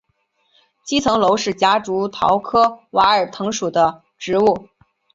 七层楼是夹竹桃科娃儿藤属的植物。